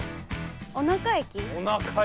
おなか駅？